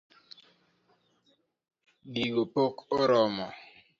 Gigo pok oromo?